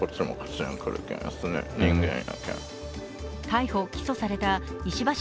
逮捕・起訴された石橋